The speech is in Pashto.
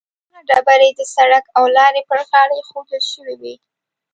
هغه ډبرې د سړک او لارې پر غاړه ایښودل شوې وي.